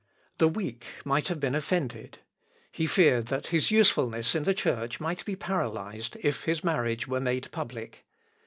The weak might have been offended. He feared that his usefulness in the Church might be paralysed if his marriage were made public.